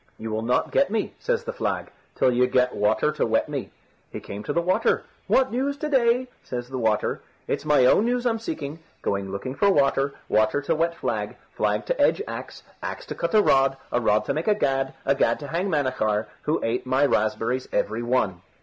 "You will not get me," says the flag, "till you get water to wet me." He came to the water. "What news to day?" says the water. "It's my own news that I'm seeking. Going looking for water, water to wet flag, flag to edge axe, axe to cut a rod, a rod to make a gad, a gad to hang Manachar, who ate my raspberries every one."